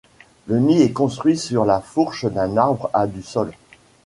Le nid est construit sur la fourche d'un arbre à du sol.